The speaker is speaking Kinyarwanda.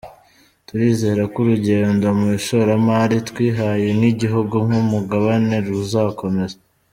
Turizera ko urugendo mu ishoramari twihaye nk’igihugu nk’umugabane ruzakomeza.